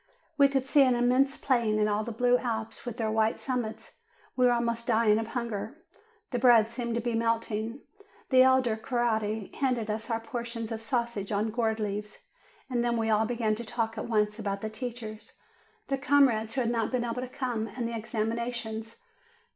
We could see an immense plain, and all the blue Alps with their white summits. We were almost dying of hunger; the bread seemed to be melting. The elder Coretti handed us our portions of sausage on gourd leaves. And then we all began to talk at once about the teachers, the comrades who had not been able to come, and the examinations.